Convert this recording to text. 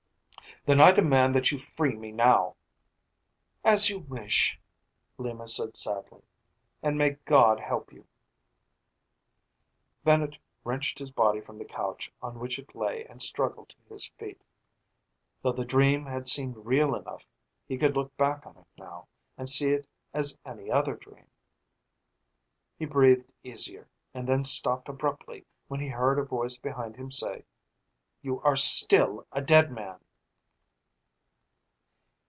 "Then I demand that you free me now!" "As you wish," Lima said sadly. "And may God help you." Bennett wrenched his body from the couch on which it lay and struggled to his feet. Though the dream had seemed real enough, he could look back on it now and see it as any other dream. He breathed easier, and then stopped abruptly when he heard a voice behind him say, "You are still a dead man!"